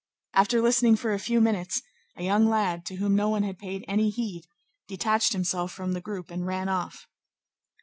After listening for a few minutes, a young lad, to whom no one had paid any heed, detached himself from the group and ran off.